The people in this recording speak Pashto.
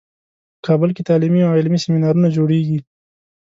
په کابل کې تعلیمي او علمي سیمینارونو جوړیږي